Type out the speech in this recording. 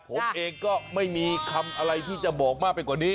ผมเองก็ไม่มีคำอะไรที่จะบอกมากไปกว่านี้